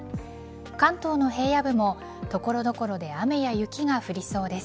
関東の平野部も所々で雨や雪が降りそうです。